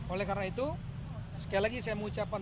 oleh karena itu sekali lagi saya mau ucapkan